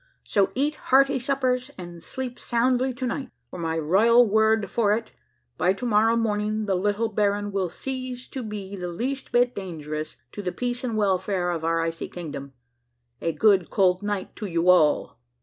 So eat hearty suppers and sleep soundl3^ to niglit, for m3' ro3'al word for it, by to morrow morning the little baron will cease to be the least bit dangerous to the peace and welfare of our 103"^ kingdom. A cold good night to vou all."